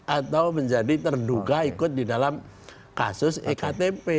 atau menjadi terduga ikut di dalam kasus ektp